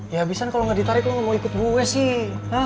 ya bisa kalau gak ditarik lo gak mau ikut gue sih